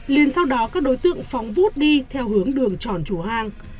liên sau đó các đối tượng phóng vút đi theo hướng đường tròn chùa hang